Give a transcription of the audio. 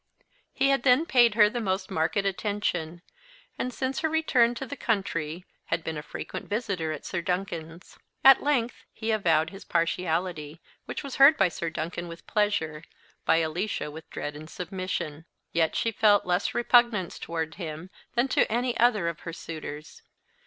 He had then paid her the most marked attention; and, since her return to the country, had been a frequent visitor at Sir Duncan's. At length he avowed his partiality, which was heard by Sir Duncan with pleasure, by Alicia with dread and submission. Yet she felt less repugnance towards him than to any other of her suitors.